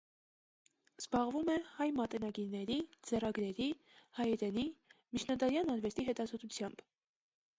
Զբաղվում է հայ մատենագիրների, ձեռագրերի, հայերենի, միջնադարյան արվեստի հետազոտությամբ։